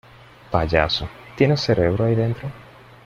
Payaso, ¿ tienes cerebro ahí dentro?